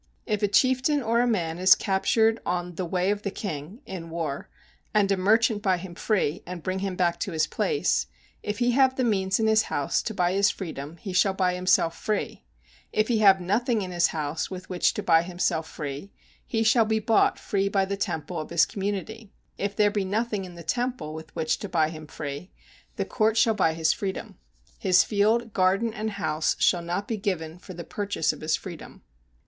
If a chieftain or a man is captured on the "Way of the King" [in war], and a merchant buy him free, and bring him back to his place; if he have the means in his house to buy his freedom, he shall buy himself free: if he have nothing in his house with which to buy himself free, he shall be bought free by the temple of his community; if there be nothing in the temple with which to buy him free, the court shall buy his freedom. His field, garden and house shall not be given for the purchase of his freedom.